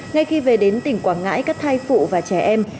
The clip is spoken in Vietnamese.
ngay khi về đến tỉnh quảng ngãi các thai phụ và trẻ em